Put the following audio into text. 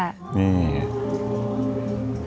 นี่